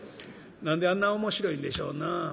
何であんな面白いんでしょうな。